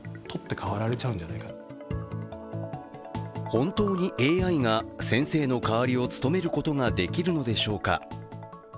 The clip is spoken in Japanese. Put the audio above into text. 本当にＡＩが先生の代わりを務めることができるのでしょうか。